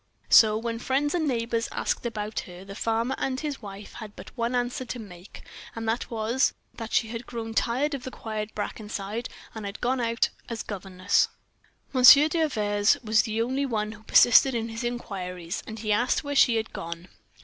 So, when friends and neighbors asked about her, the farmer and his wife had but one answer to make, and that was, that she had grown tired of the quiet of Brackenside, and had gone out as a governess. Monsieur D'Anvers was the only one who persisted in his inquiries, and he asked where she had gone.